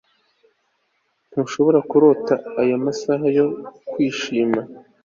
ntushobora kurota ayo masaha yo kwishima